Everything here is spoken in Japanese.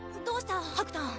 どうした？